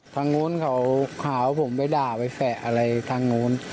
ทางนู้นเขาหาว่าผมไปด่าไปแฝะอะไรทางนู้น